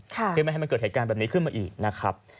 เพื่อไม่ให้มันเกิดเหตุการณ์แบบนี้ขึ้นมาอีกนะครับ